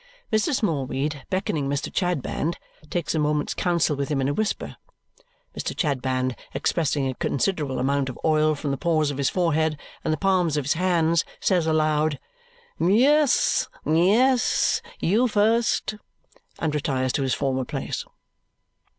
Mr. Smallweed, beckoning Mr. Chadband, takes a moment's counsel with him in a whisper. Mr. Chadband, expressing a considerable amount of oil from the pores of his forehead and the palms of his hands, says aloud, "Yes. You first!" and retires to his former place.